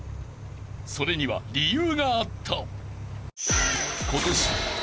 ［それには理由があった］